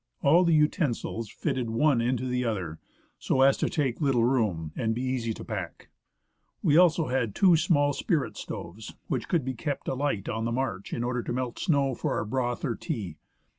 All the utensils fitted one into the other, so as to take little room and be easy to pack. We had also two small spirit stoves, which could be kept alight on the march in order to melt snow for our broth or tea.